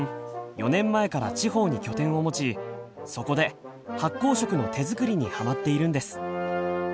４年前から地方に拠点を持ちそこで発酵食の手作りにハマっているんです。